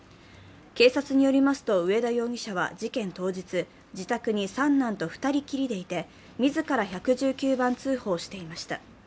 警察によりますと、上田容疑者は事件当日、自宅に三男と２人きりでいて自ら１１９番通報していました。